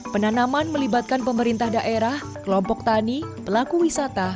penanaman melibatkan pemerintah daerah kelompok tani pelaku wisata